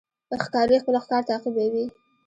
ښکاري خپل ښکار تعقیبوي.